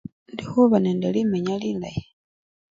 Indi khuba nende limenya lilayi.